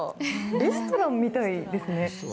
レストランみたいですね。